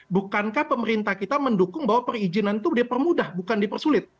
bukankah pemerintah kita mendukung bahwa perizinan itu dipermudah bukan dipersulit